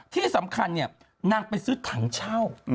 ที่สำคัญเนี่ยนางไปซื้อถังเช่า